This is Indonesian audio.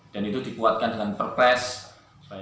dan itu dipuatkan dengan pr press